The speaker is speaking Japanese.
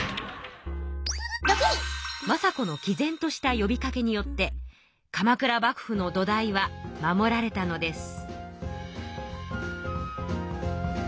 政子のきぜんとしたよびかけによって鎌倉幕府の土台は守られたのです。